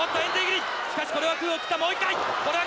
しかしこれは空を斬ったもう１回。